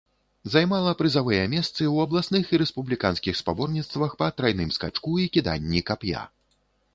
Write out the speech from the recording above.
Займала прызавыя месцы ў абласных і рэспубліканскіх спаборніцтвах па трайным скачку і кіданні кап'я.